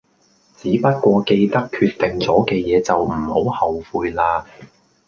只不過記得決定左嘅野就唔好後悔啦